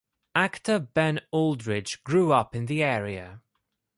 Actor Ben Aldridge grew up in the area.